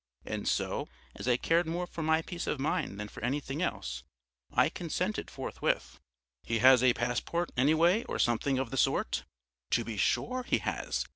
And so, as I cared more for my peace of mind than for anything else, I consented forthwith. "Has he a passport anyway, or something of the sort?" "To be sure, he has.